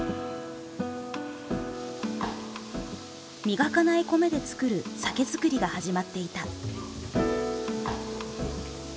磨かない米で造る酒造りが始まっていた。